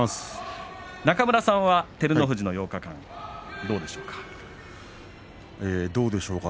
中村さんは照ノ富士の８日間どうでしょうか。